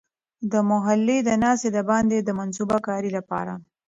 د محلي د ناستې د باندې د منصوبه کارۍ لپاره.